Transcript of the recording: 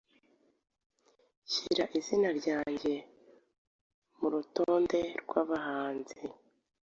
Nshyira izina ryajye mu rutonde rw’abahanzi